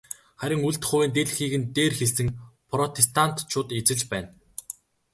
Харин үлдэх хувийн дийлэнхийг нь дээр хэлсэн протестантчууд эзэлж байна.